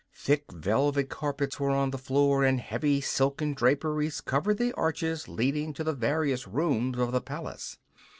Thick velvet carpets were on the floor and heavy silken draperies covered the arches leading to the various rooms of the palace.